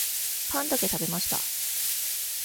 パンだけ食べました。